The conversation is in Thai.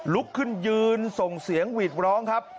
ลุกขึ้นยืนส่งเสียงหวีดร้องครับ